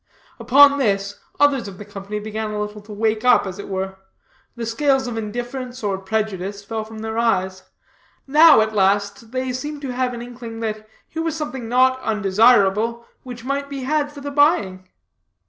Upon this, others of the company began a little to wake up as it were; the scales of indifference or prejudice fell from their eyes; now, at last, they seemed to have an inkling that here was something not undesirable which might be had for the buying.